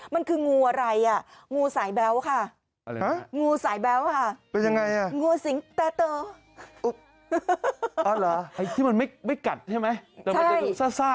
มาถามมันคืองูอะไรอ่ะ